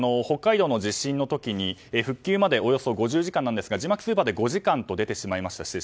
北海道の地震の時に復旧までおよそ５０時間ですが字幕スーパーで５時間と出てしまいました。